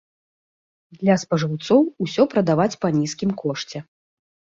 Для спажыўцоў усё прадаваць па нізкім кошце.